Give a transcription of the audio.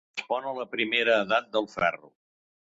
Correspon a la primera Edat del Ferro.